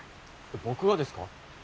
僕がですか？